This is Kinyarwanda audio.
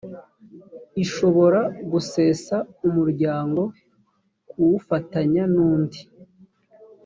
ishobora gusesa umuryango kuwufatanya nundi